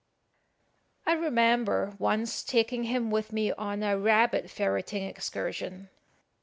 I remember once taking him with me on a rabbit ferreting excursion.